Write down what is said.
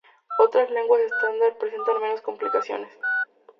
Otras lenguas estándar presentan menos complicaciones.